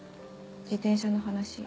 自転車の話。